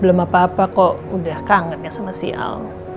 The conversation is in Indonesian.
belum apa apa kok udah kangen ya sama si al